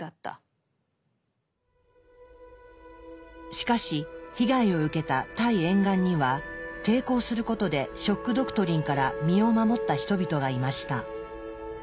しかし被害を受けたタイ沿岸には抵抗することで「ショック・ドクトリン」から身を守った人々がいました。